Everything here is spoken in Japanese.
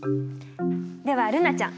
では瑠菜ちゃん。